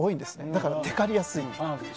だから、てかりやすい。